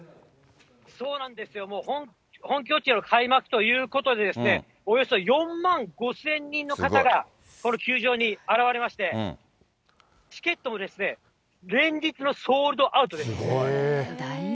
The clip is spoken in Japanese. そうなんですよ、本拠地での開幕ということで、およそ４万５０００人の方がこの球場に現れまして、チケットも連日のソールドアウトです。